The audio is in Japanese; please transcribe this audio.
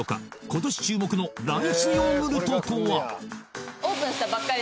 今年注目のライスヨーグルトとは？